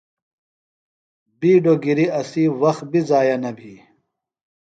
بِیڈوۡ گِری اسی وخت بی ضائع نہ بھی۔